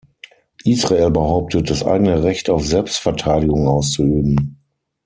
Israel behauptet, das eigene Recht auf Selbstverteidigung auszuüben.